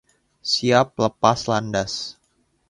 Siap lepas landas.